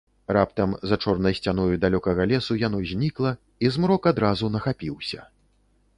Раптам за чорнай сцяною далёкага лесу яно знікла, і змрок адразу нахапіўся.